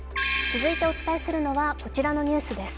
続いてお伝えするのはこちらのニュースです。